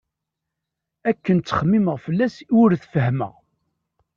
Akken ttxemmimeɣ fell-as i ur t-fehhmeɣ.